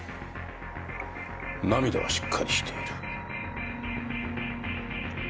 涙はしっかりしている。